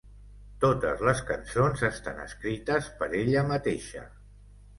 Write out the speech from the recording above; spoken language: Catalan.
Totes les cançons estan escrites per ella mateixa.